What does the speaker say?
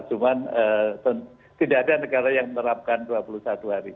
cuman tidak ada negara yang menerapkan dua puluh satu hari